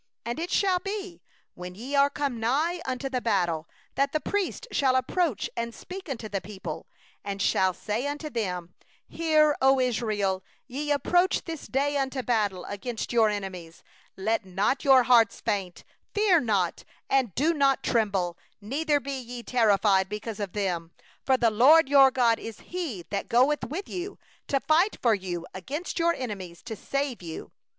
2And it shall be, when ye draw nigh unto the battle, that the priest shall approach and speak unto the people, 3and shall say unto them: 'Hear, O Israel, ye draw 20 nigh this day unto battle against your enemies; let not your heart faint; fear not, nor be alarmed, neither be ye affrighted at them; 4for the LORD your God is He that goeth with you, to fight for you against your enemies, to save you.